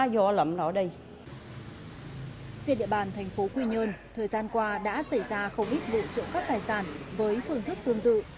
trên địa bàn thành phố quy nhơn thời gian qua đã xảy ra không ít vụ trộm cắp tài sản với phương thức tương tự